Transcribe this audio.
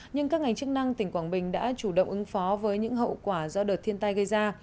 nhưng các ngành chức năng tỉnh quảng bình đã chủ động ứng phó với những hậu quả do đợt thiên tai gây ra